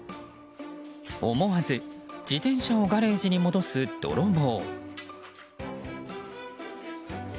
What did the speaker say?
思わず自転車をガレージに戻す泥棒。